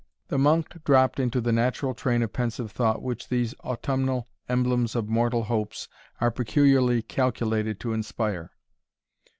The monk dropped into the natural train of pensive thought which these autumnal emblems of mortal hopes are peculiarly calculated to inspire.